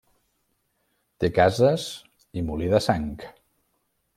Té cases i molí de sang.